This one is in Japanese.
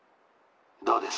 「どうです？